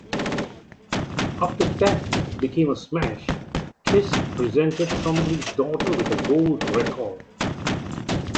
After "Beth" became a smash, Kiss presented Trombley's daughter with a gold record.